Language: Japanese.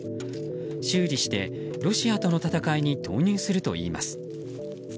修理してロシアとの戦いに投入するといいます。